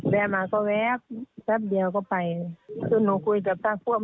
เรายังมีการส่งอยู่ไหม